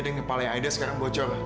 dan kepala yang aida sekarang bocor